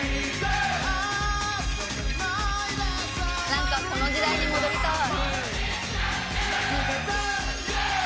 何かこの時代に戻りたい。